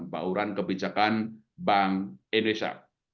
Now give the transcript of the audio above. bauran kebijakan bank indonesia